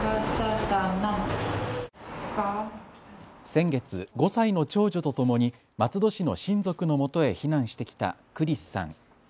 先月、５歳の長女とともに松戸市の親族のもとへ避難してきたクリスさん。